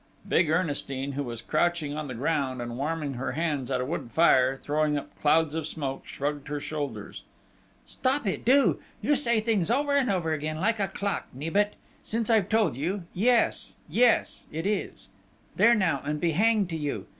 Big Ernestine, who was crouching on the ground and warming her hands at a wood fire, throwing up clouds of smoke, shrugged her shoulders. "Stop it, do! You say things over and over again, like a clock, Nibet!... Since I've told you yes yes it is there now, and be hanged to you!...